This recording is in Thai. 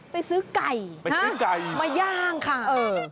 ไปซื้อไก่มาย่างค่ะ